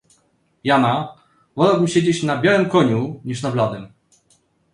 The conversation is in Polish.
Jana, wolałbym siedzieć na białym koniu niż na bladym